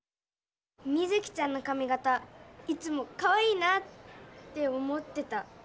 ミズキちゃんのかみ形いつもかわいいなって思ってた。